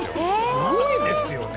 すごいですよね。